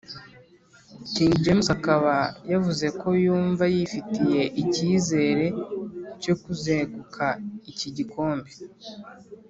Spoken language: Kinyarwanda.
king james akaba yavuze ko yumva yifitiye ikizere cyo kuzeguka iki gikombe